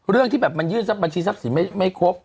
เรื่องที่แบบมันยื่นทรัพบัญชีทรัพย์สินไม่ครบ